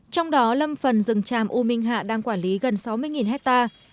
trong đó lâm phần rừng tràm u minh hạ đang quản lý gần sáu mươi hectare